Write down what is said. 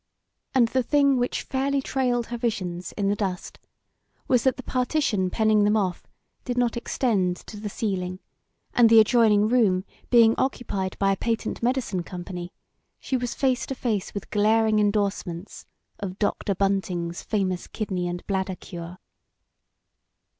And the thing which fairly trailed her visions in the dust was that the partition penning them off did not extend to the ceiling, and the adjoining room being occupied by a patent medicine company, she was face to face with glaring endorsements of Dr. Bunting's Famous Kidney and Bladder Cure.